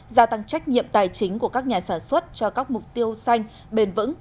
gia tăng trách nhiệm tài chính của các nhà sản xuất cho các mục tiêu xanh bền vững